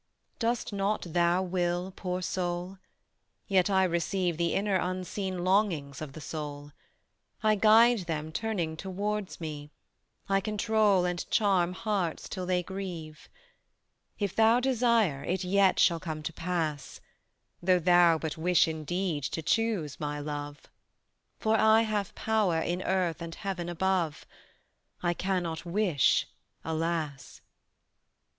Dost not thou will, poor soul? Yet I receive The inner unseen longings of the soul; I guide them turning towards Me; I control And charm hearts till they grieve: If thou desire, it yet shall come to pass, Though thou but wish indeed to choose My love; For I have power in earth and heaven above. I cannot wish, alas!